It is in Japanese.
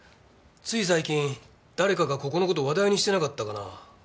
つい最近誰かがここの事話題にしてなかったかな？